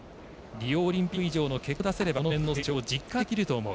リオオリンピック以上の結果を出せればこの５年の成長を実感できると思う。